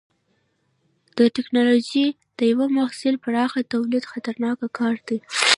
د ټېکنالوجۍ د یوه محصول پراخه تولید خطرناک کار دی.